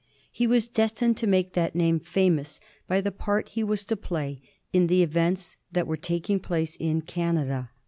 He was destined to make that name famous* by the part he was to play in the events that were taking place in Canada.